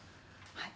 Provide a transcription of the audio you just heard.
はい。